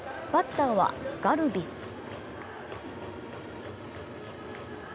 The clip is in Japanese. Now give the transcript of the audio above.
バッターはガルビス。